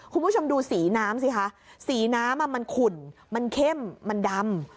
คุณผู้ชมดูสีน้ำสิคะสีน้ำมันขุ่นมันเข้มมันดำ